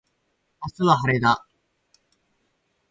明日は晴れだ。